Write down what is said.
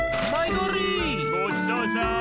ごちそうさん。